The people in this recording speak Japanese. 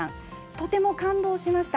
とても感動しました。